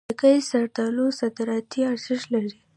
د قیسی زردالو صادراتي ارزښت لري.